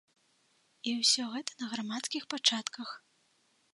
І ўсё гэта на грамадскіх пачатках.